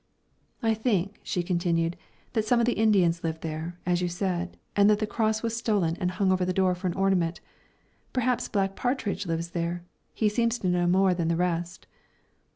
"I think," she continued, "that some of the Indians live there, as you said, and that the cross was stolen and hung over the door for an ornament. Perhaps Black Partridge lives there he seems to know more than the rest."